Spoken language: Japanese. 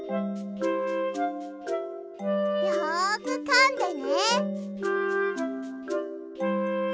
よくかんでね。